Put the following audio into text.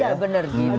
iya bener gitu